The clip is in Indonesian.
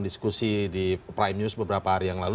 diskusi di prime news beberapa hari yang lalu